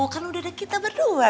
kan udah ada kita berdua